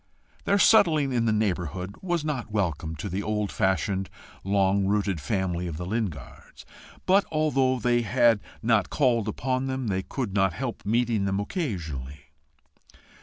Their settling in the neighbourhood was not welcome to the old fashioned, long rooted family of the Lingards; but although they had not called upon them, they could not help meeting them occasionally.